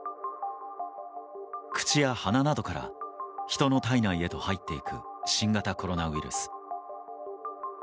口や鼻などからヒトの体内へと入っていく新型コロナウイルス。